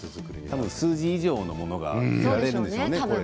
数字以上のものが得られるんでしょうね。